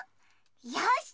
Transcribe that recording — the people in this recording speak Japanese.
よし！